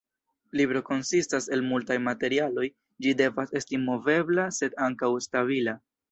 Libro konsistas el multaj materialoj, ĝi devas esti movebla sed ankaŭ stabila.